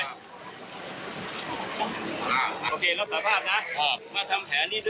คิดอะไรกัน